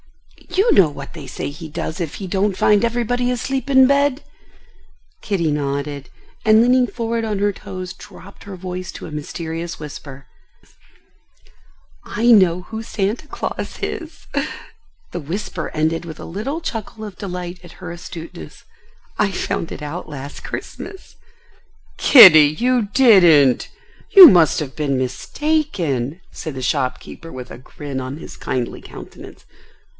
You know what they say he does if he don't find everybody asleep in bed?" Kitty nodded, and leaning forward on her toes, dropped her voice to a mysterious whisper: "I know who Santa Claus is." The whisper ended with a little chuckle of delight at her astuteness. "I found it out last Christmas." "Kitty, you didn't! You must have been mistaken?" said the shopkeeper with a grin on his kindly countenance.